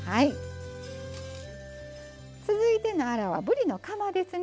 続いてのアラはぶりのカマですね。